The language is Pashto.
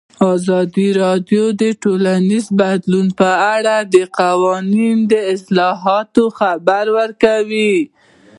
ازادي راډیو د ټولنیز بدلون په اړه د قانوني اصلاحاتو خبر ورکړی.